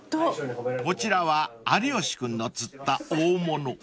［こちらは有吉君の釣った大物］